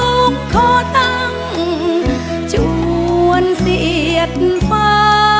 ขอตั้งชวนเสียดฟ้า